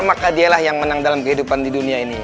maka dialah yang menang dalam kehidupan di dunia ini